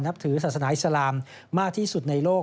นับถือศาสนาอิสลามมากที่สุดในโลก